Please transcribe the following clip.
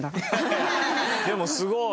でもすごい。